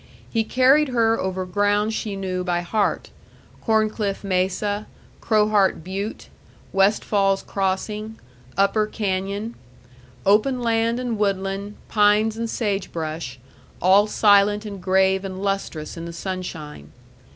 He carried her over ground she knew by heart Corncliff Mesa, Crowheart Butte, Westfall's Crossing, Upper Canyon; open land and woodland, pines and sage brush, all silent and grave and lustrous in the sunshine.